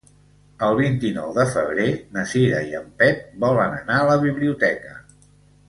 El vint-i-nou de febrer na Cira i en Pep volen anar a la biblioteca.